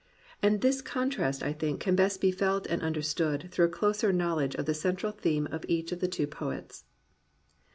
And this contrast, I think, can best be felt and understood through a closer knowledge of the central theme of each of the two poets.